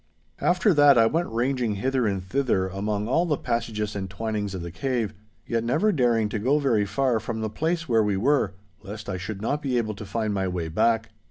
After that I went ranging hither and thither among all the passages and twinings of the cave, yet never daring to go very far from the place where we were, lest I should not be able to find my way back.